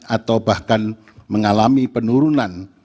atau bahkan mengalami penurunan